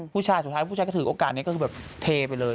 ผู้ชายสุดท้ายผู้ชายก็ถือโอกาสนี้ก็คือแบบเทไปเลย